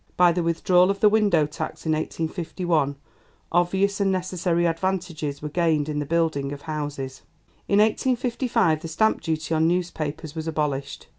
By the withdrawal of the window tax in 1851 obvious and necessary advantages were gained in the building of houses. In 1855 the stamp duty on newspapers was abolished.